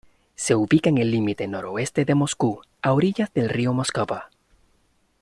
Se ubica en el límite noroeste de Moscú, a orillas del río Moscova.